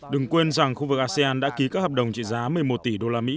đừng quên rằng khu vực asean đã ký các hợp đồng trị giá một mươi một tỷ usd